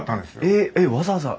えっわざわざ？